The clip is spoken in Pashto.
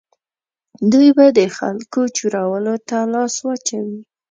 دوی به د خلکو چورولو ته لاس واچوي.